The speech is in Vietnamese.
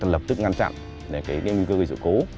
lập tức ngăn chặn nguy cơ gây sự cố